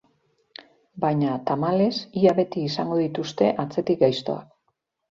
Baina, tamalez, ia beti izango dituzte atzetik gaiztoak.